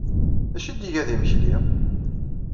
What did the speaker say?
D acu ay d-iga d imekli?